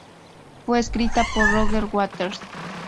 Fue escrita por Roger Waters.